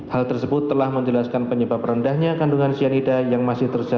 hal tersebut telah menjelaskan penyebab rendahnya kandungan cyanida